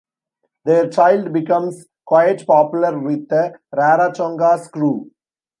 Their child becomes quite popular with the "Raratonga's" crew.